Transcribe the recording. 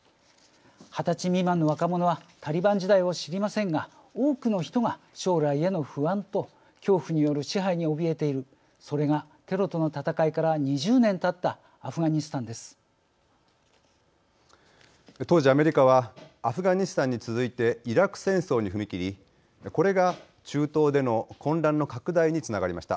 ２０歳未満の若者はタリバン時代を知りませんが多くの人が将来への不安と恐怖による支配におびえているそれがテロとの戦いから２０年たった当時、アメリカはアフガニスタンに続いてイラク戦争に踏み切りこれが中東での混乱の拡大につながりました。